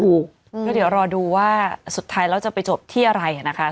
อืมเพราะเดี๋ยวรอดูว่าสุดท้ายเราจะไปจบที่อะไรนะคะ